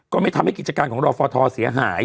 ก็ไม่ทำให้กิจการของลฤษฐธรพ์เสียหาย